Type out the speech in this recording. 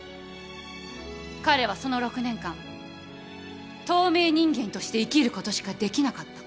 彼はその６年間透明人間として生きることしかできなかった。